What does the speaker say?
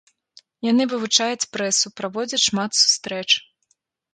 Яны вывучаюць прэсу, праводзяць шмат сустрэч.